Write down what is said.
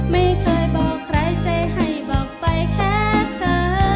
ไม่เคยบอกใครใจให้บอกไปแค่เธอ